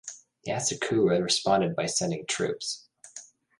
The Asakura responded by sending troops.